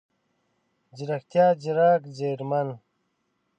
ځيرکتيا، ځیرک، ځیرمن،